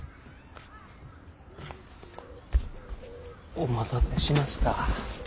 お待たせしました。